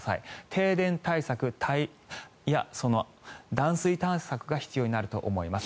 停電対策、断水対策が必要になると思います。